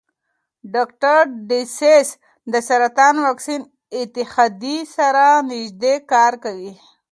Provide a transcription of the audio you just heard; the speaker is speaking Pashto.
ډاکټر ډسیس د سرطان واکسین اتحادیې سره نژدې کار کوي.